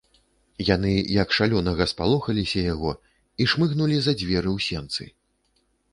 Яны, як шалёнага, спалохаліся яго і шмыгнулі за дзверы ў сенцы.